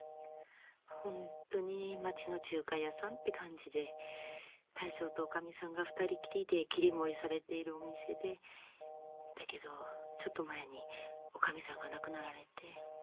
本当に町の中華屋さんって感じで大将とおかみさんが２人きりで切り盛りされているお店でだけどちょっと前におかみさんが亡くなられて。